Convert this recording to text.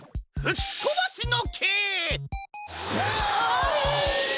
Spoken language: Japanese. あれ。